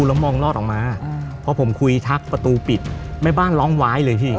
แล้วมองรอดออกมาพอผมคุยทักประตูปิดแม่บ้านร้องว้ายเลยพี่